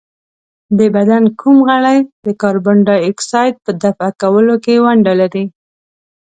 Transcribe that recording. د بدن کوم غړی د کاربن ډای اکساید په دفع کولو کې ونډه لري؟